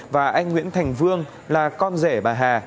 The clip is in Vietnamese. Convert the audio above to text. và anh nguyễn thành vương là con rể bà hà